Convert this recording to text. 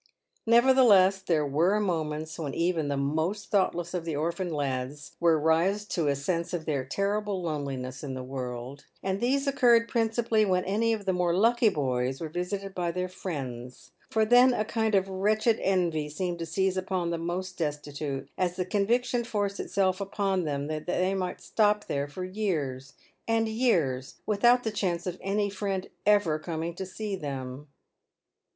Nevertheless, there were moments when even the most thoughtless of the orphan lads were roused to a sense of their terrible loneliness in the world, and these occurred principally when any of the more lucky boys were visited by their friends ; for then a kind of wretched envy seemed to seize upon the most destitute, as the conviction forced itself upon them that they might stop there for years and years with out the chance of any friend ever coming to see them.